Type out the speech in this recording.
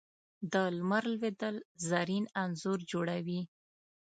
د لمر لوېدل زرین انځور جوړوي